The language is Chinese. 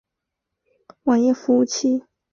网页服务器。